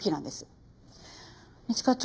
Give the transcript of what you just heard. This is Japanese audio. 一課長。